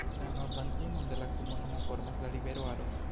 La nordan limon de la komunumo formas la rivero Aro.